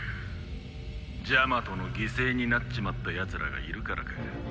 ジャマトの犠牲になっちまったやつらがいるからか。